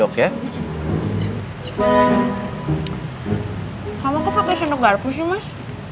kamu kok pakai sendok garpu sih mas